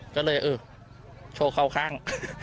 ก็เลยี๊คโชคเข้าข้าง